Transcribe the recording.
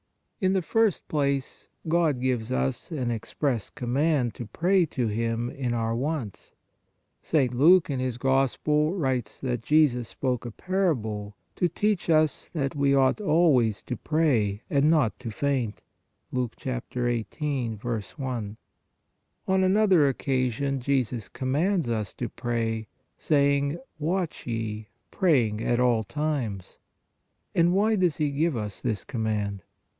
In the first place, GOD GIVES us AN EXPRESS COMMAND TO PRAY TO HlM IN OUR WANTS. St. Luke, in his Gospel, writes that " Jesus spoke a parable (to teach us that) we ought always to pray and not to faint" (Luke 18. i). On another oc casion Jesus commands us to pray, saying :" Watch ye, praying at all times "; and why does He give us this command?